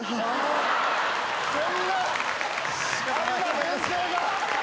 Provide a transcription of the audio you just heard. そんな有馬先生が。